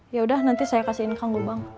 yaudah nanti saya kasihin kanggu bang